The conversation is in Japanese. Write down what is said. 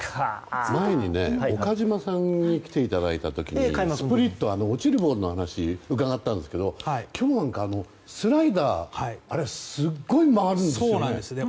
前に岡島さんに来ていただいた時、スプリット落ちるボールの話を伺ったんですが今日はスライダーがすごい曲がるんですね。